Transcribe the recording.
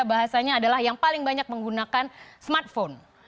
penetrasi smartphone yang paling banyak menggunakan smartphone